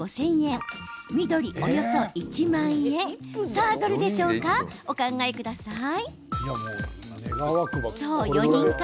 さあ、どれでしょうかお考えください。